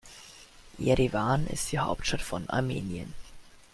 Jerewan ist die Hauptstadt von Armenien.